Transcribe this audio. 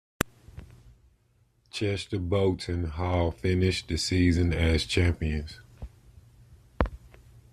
Chester Boughton Hall finished the season as champions.